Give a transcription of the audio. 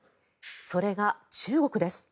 それが、中国です。